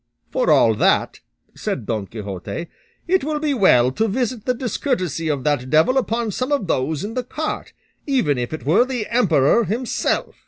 "For all that," said Don Quixote, "it will be well to visit the discourtesy of that devil upon some of those in the cart, even if it were the emperor himself."